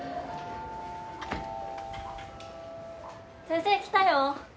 先生来たよ。